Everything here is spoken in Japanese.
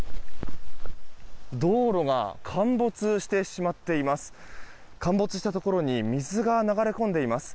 道路が陥没してしまっています。